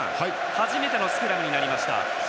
初めてのスクラムになりました。